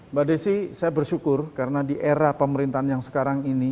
mbak desi saya bersyukur karena di era pemerintahan yang sekarang ini